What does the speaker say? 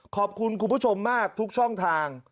ขอบคุณคุณผู้ชมมากทุกช่องทาง